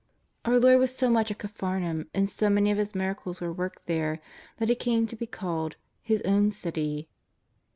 Our Lord was so much at Capharnaum and so many of His miracles were worked there, that it came to be called " His own city.''